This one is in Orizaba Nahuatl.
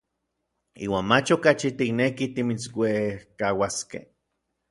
Iuan mach okachi tiknekij timitsuejkauaskej.